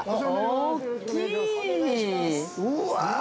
大きい。